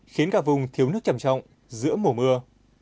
khiến cả vùng thiếu nước trầm trọng giữa mùa mưa